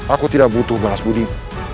aku tidak butuh membalas budimu